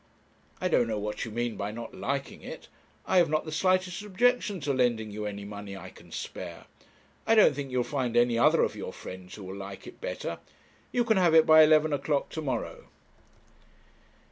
'I don't know what you mean by not liking it. I have not the slightest objection to lending you any money I can spare. I don't think you'll find any other of your friends who will like it better. You can have it by eleven o'clock to morrow.'